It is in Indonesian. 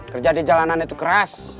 kerja di jalanan itu keras